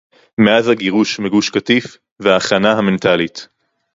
מאז הגירוש מגוש-קטיף, וההכנה המנטלית